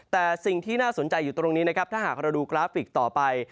แต่สิ่งที่น่าสนใจอยู่ตรงนี้นะครับถ้าหากเราดูกราฟิกต่อไป